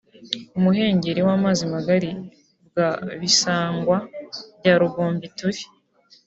“Umuhengeli w’amazi magari ‘bwa Bisangwa bya Rugombituri